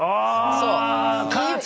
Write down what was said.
そう。